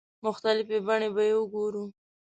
مختلفې بڼې به یې وګورو.